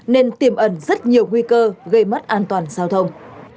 nên tiềm ẩn rất nhiều nguy cơ gây mất an toàn giao thông